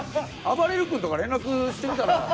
あばれる君とか連絡してみたら。